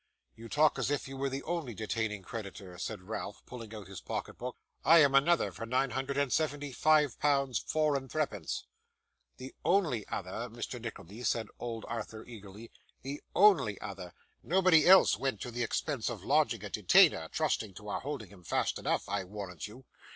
'You talk as if you were the only detaining creditor,' said Ralph, pulling out his pocket book. 'I am another for nine hundred and seventy five pounds four and threepence.' 'The only other, Mr. Nickleby,' said old Arthur, eagerly. 'The only other. Nobody else went to the expense of lodging a detainer, trusting to our holding him fast enough, I warrant you.